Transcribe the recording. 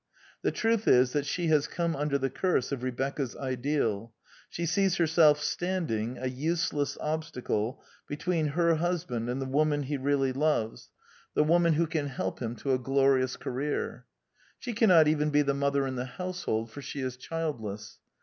The truth is that she has come under the curse of Rebecca's ideal : she sees her self standing, a useless obstacle, between her hus band and the woman he really loves, the woman 1 1 6 The Quintessence of Ibsenism who can help him to a glorious career. She can not even be the mother in the household ; for she is childless.